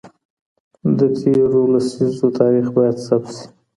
د تېرو لسیزو تاریخ باید ثبت سي.